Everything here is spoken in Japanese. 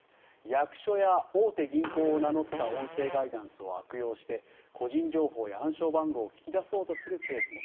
役所や大手銀行を名乗った音声ガイダンスを悪用して個人情報や暗証番号を聞き出そうとするケースも。